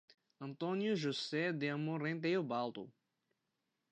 Antônio José de Amorim Teobaldo